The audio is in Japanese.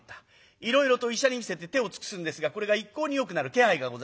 いろいろと医者に診せて手を尽くすんですがこれが一向によくなる気配がございませんで。